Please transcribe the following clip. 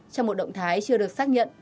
trong một động thái chưa được xác nhận